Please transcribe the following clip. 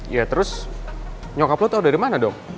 ya terus nyokap lo tau dari mana dong